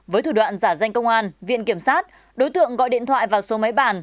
với thủ đoạn giả danh công an viện kiểm sát đối tượng gọi điện thoại vào số máy bàn